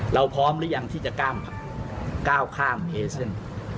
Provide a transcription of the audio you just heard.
เราพร้อมหรือยังที่จะก้าวข้ามเอเซียน